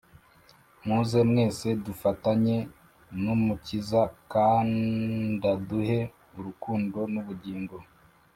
Muze mwesedufatanye N'Umukiza, kand' aduhe Urukundo n'ubugingo.